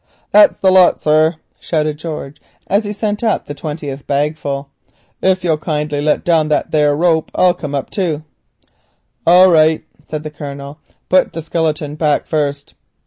"That's the lot, sir," shouted George, as he sent up the last bagful. "If you'll kindly let down that there rope, I'll come up too." "All right," said the Colonel, "put the skeleton back first."